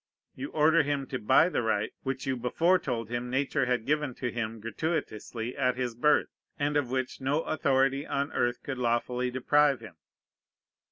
You order him to buy the right which you before told him Nature had given to him gratuitously at his birth, and of which no authority on earth could lawfully deprive him.